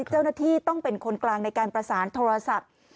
เจ้าหน้าที่ต้องเป็นคนกลางในการประสานโทรศัพท์